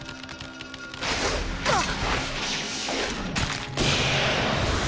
あっ！